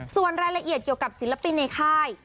ส่วนรายละเอียดเกี่ยวกับศิลปินในค่าย